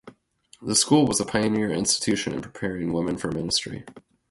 The school was a pioneer institution in preparing women for ministry.